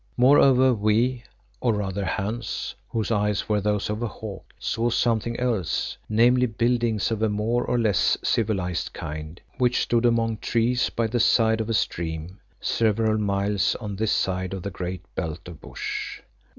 Moreover we, or rather Hans, whose eyes were those of a hawk, saw something else, namely buildings of a more or less civilised kind, which stood among trees by the side of a stream several miles on this side of the great belt of bush.